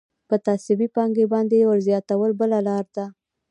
په ثابتې پانګې باندې ورزیاتول بله لاره ده